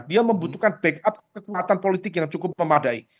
dia membutuhkan backup kekuatan politik yang cukup memadai